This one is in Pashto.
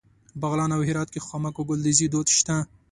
بغلان او هرات کې خامک او ګلدوزي دود شته.